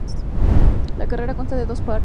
La carrera consta de dos partes.